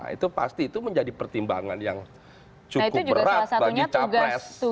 itu pasti itu menjadi pertimbangan yang cukup berat bagi capres